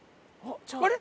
あれ？